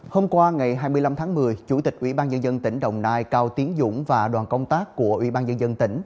hôm qua ngày hai mươi năm tháng một mươi chủ tịch ubnd tỉnh đồng nai cao tiến dũng và đoàn công tác của ubnd tỉnh đồng nai